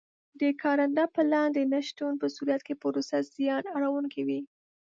د کارنده پلان د نه شتون په صورت کې پروسه زیان اړوونکې وي.